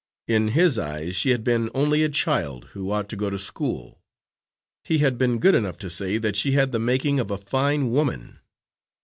In his eyes she had been only a child, who ought to go to school. He had been good enough to say that she had the making of a fine woman.